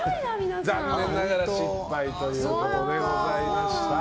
残念なが失敗ということでございました。